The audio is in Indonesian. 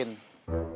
sama si rinda